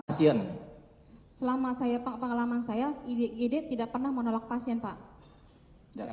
pak selama pengalaman saya igd tidak pernah menolak pasien pak